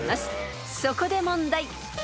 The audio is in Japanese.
［そこで問題］